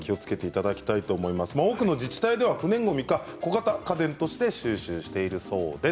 多くの自治体では不燃ごみか、小型家電として収集しているそうです。